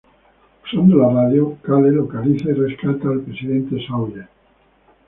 Usando la radio, Cale localiza y rescata al Presidente Sawyer.